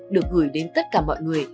được gửi đến tất cả mọi người